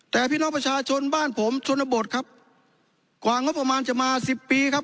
แต่พี่น้องประชาชนบ้านผมชนบทครับกว่างบประมาณจะมาสิบปีครับ